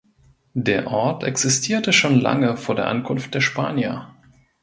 Der Ort existierte schon lange vor der Ankunft der Spanier.